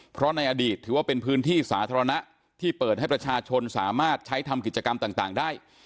เพราะในอดีตถือว่าเป็นพื้นที่สาธารณะที่เปิดให้ประชาชนสามารถใช้ทำกิจกรรมต่างได้